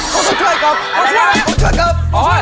กูก็ช่วยกับ